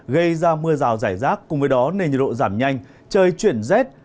gây ra mưa rào rải rác cùng với đó nền nhiệt độ giảm nhanh trời chuyển rét